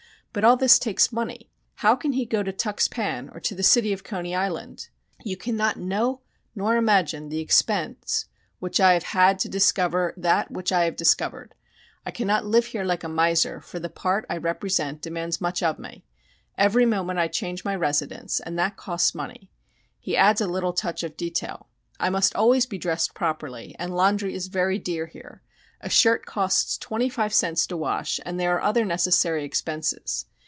But all this takes money. How can he go to Tuxpan or to the city of Coney Island? "You cannot know nor imagine the expense which I have had to discover that which I have discovered. I cannot live here like a miser, for the part I represent demands much of me. Every moment I change my residence, and that costs money." He adds a little touch of detail. "I must always be dressed properly, and laundry is very dear here a shirt costs twenty five cents to wash, and there are other necessary expenses....